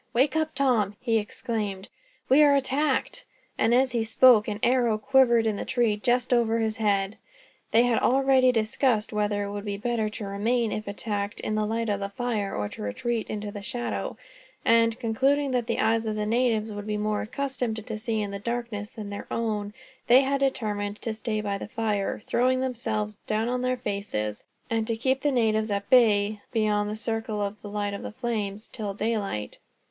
"Wake up, Tom!" he exclaimed; "we are attacked;" and as he spoke, an arrow quivered in the tree just over his head. They had already discussed whether it would be better to remain, if attacked, in the light of the fire, or to retreat into the shadow; and concluding that the eyes of the natives would be more accustomed to see in darkness than their own, they had determined to stay by the fire, throwing themselves down on their faces; and to keep the natives at bay beyond the circle of the light of the flames, till daylight.